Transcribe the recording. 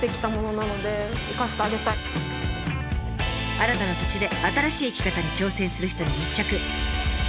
新たな土地で新しい生き方に挑戦する人に密着。